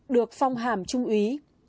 được phong hàm trung úy